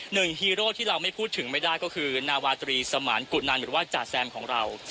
ฮีโร่ที่เราไม่พูดถึงไม่ได้ก็คือนาวาตรีสมานกุนันหรือว่าจ่าแซมของเรา